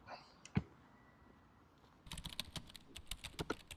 El segundo sencillo, titulado "Life Won't Wait" fue dirigido por su hijo Jack Osbourne.